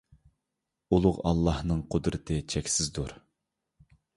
ئۇلۇغ ئاللاھنىڭ قۇدرىتى چەكسىزدۇر!